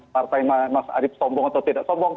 partai mas arief sombong atau tidak sombong